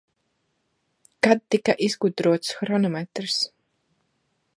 Kad tika izgudrots hronometrs?